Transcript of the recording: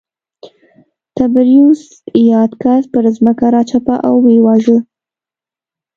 تبریوس یاد کس پر ځمکه راچپه او ویې واژه